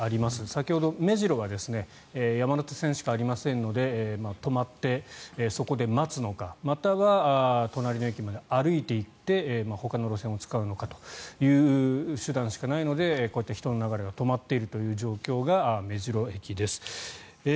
先ほど目白は山手線しかありませんので止まって、そこで待つのかまたは隣の駅まで歩いていってほかの路線を使うのかという手段しかないのでこうやって人の流れが止まっているという状況が目白駅です。